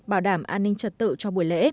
bảo đảm an ninh trật tự cho bộ